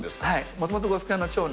もともと呉服屋の長男。